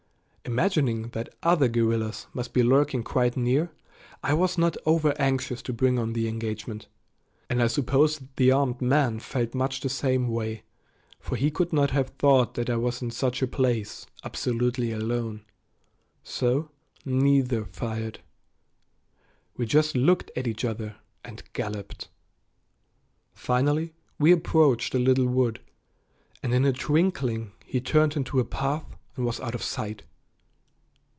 Imagining that other guerrillas must be lurking quite near, I was not over anxious to bring on the engagement, and I suppose the armed man felt much the same way, for he could not have thought that I was in such a place absolutely alone. So neither fired. We just looked at each other and galloped. Finally we approached a little wood, and in a twinkling he turned into a path and was out of sight.